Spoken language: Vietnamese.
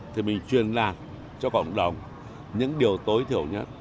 thì mình truyền lạc cho cộng đồng những điều tối thiểu nhất